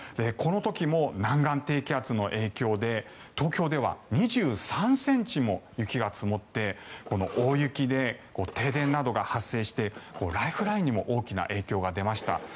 この時も南岸低気圧の影響で東京では２３ｃｍも雪が積もって大雪で停電などが発生してライフラインにも大きな影響が出ました。